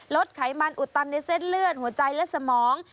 ไขมันอุดตันในเส้นเลือดหัวใจและสมอง